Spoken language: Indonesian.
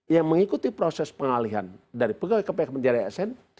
yang mengikuti proses pengalihan dari pegawai kpk menjadi asn